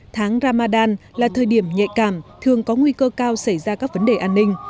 tháng ramadan là thời điểm nhạy cảm thường có nguy cơ cao xảy ra các vấn đề an ninh